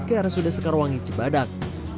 ke arah sudas sekarwangi cibadak